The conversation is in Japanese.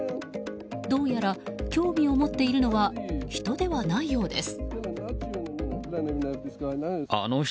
どうやら興味を持っているのは人ではないようです。